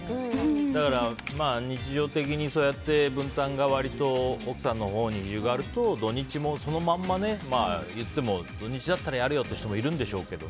だから日常的にそうして分担が割と奥さんのほうにあると土日もね。土日だったらやるよっていう人もいるんでしょうけどね。